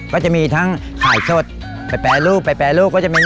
ก็จะมีทั้งไข่สดไปแปรรูป